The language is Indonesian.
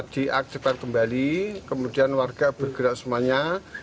diaktifkan kembali kemudian warga bergerak semuanya